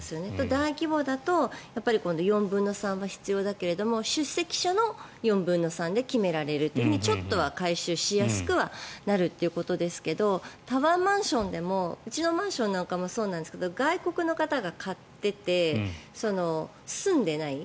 大規模だと４分の３は必要だけれど出席者の４分の３で決められるというふうにちょっとは改修しやすくはなるということですがタワーマンションでもうちのマンションなんかもそうですけど外国の方が買っていて住んでない。